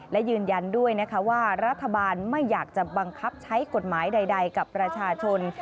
และยืนยันด้วยนะคะว่ารัฐบาลไม่อยากจะบังคับใช้กฎหมายใดกับประชาชน